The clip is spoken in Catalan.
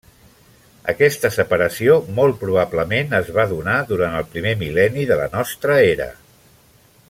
Aquesta separació molt probablement es va donar durant el primer mil·lenni de la nostra era.